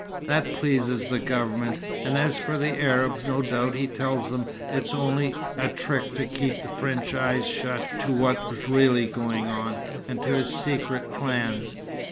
That pleases the Government and as for the Arabs, no doubt he tells them it's only a trick to keep French eyes shut to what's really going on, and to his secret plans.